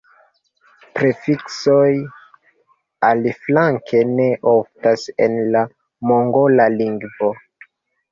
Prefiksoj, aliflanke, ne oftas en la mongola lingvo.